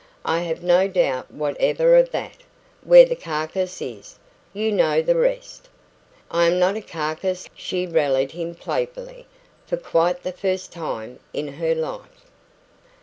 "I have no doubt whatever of THAT. 'Where the carcase is ' You know the rest?" "I am not a carcase," she rallied him playfully for quite the first time in her life.